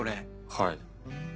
はい。